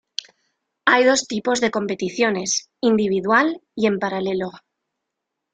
Hay dos tipos de competiciones, individual y en paralelo.